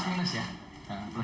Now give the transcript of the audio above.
tapi prinsip pasti turun